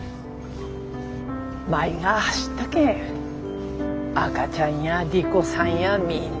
舞が走ったけん赤ちゃんや莉子さんやみんなが助かったとよ。